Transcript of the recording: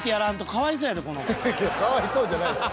かわいそうじゃないです。